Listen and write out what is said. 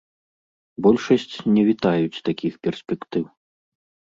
Большасць не вітаюць такіх перспектыў.